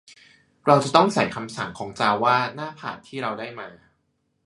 เราจะต้องใส่คำสั่งของจาวาหน้าพาธที่เราได้มา